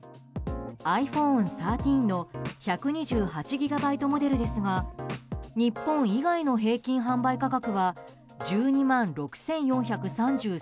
ｉＰｈｏｎｅ１３の１２８ギガバイトモデルですが日本以外の平均販売価格は１２万６４３３円。